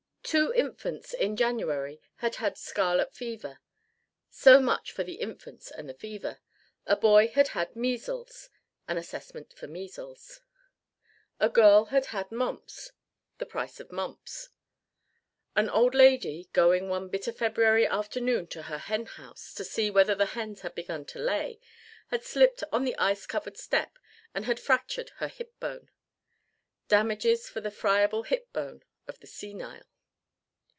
Two infants in January had had scarlet fever; so much for the infants and the fever. A boy had had measles; an assessment for measles. A girl had had mumps; the price of mumps. An old lady, going one bitter February afternoon to her hen house to see whether the hens had begun to lay, had slipped on the ice covered step and had fractured her hip bone; damages for the friable hip bone of the senile.